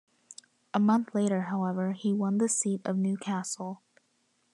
A month later however, he won the seat of Newcastle.